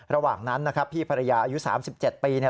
ระหว่างนั้นพี่ภรรยาอายุ๓๗ปี